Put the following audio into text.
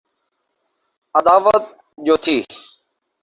عداوت جو تھی۔